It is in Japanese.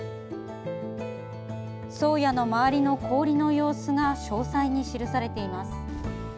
「宗谷」の周りの氷の様子が詳細に記されています。